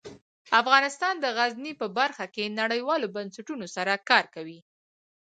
افغانستان د غزني په برخه کې نړیوالو بنسټونو سره کار کوي.